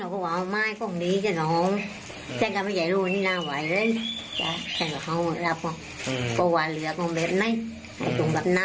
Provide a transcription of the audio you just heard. ก็วางเรือก็เบิ้ลไหนสรุปแบบนั้น